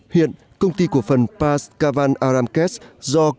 hiện công ty của phần pas kavan aramkes do công ty của phần đầu tư